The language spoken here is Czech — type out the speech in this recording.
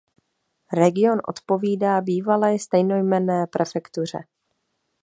Region odpovídá bývalé stejnojmenné prefektuře.